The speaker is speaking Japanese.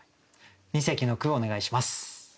二席の句をお願いします。